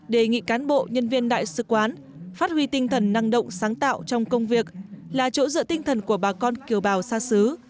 đề nghị cán bộ nhân viên đại sứ quán phát huy tinh thần năng động sáng tạo trong công việc là chỗ dựa tinh thần của bà con kiều bào xa xứ